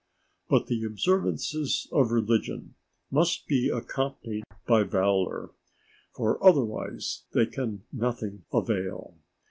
But the observances of religion must be accompanied by valour, for otherwise they can nothing avail.